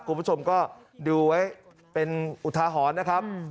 คุณผู้ชมก็ดูไว้เป็นอุทาหรณ์นะครับ